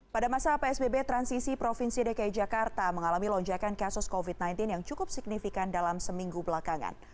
pada masa psbb transisi provinsi dki jakarta mengalami lonjakan kasus covid sembilan belas yang cukup signifikan dalam seminggu belakangan